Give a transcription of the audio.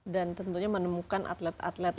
dan tentunya menemukan atlet atlet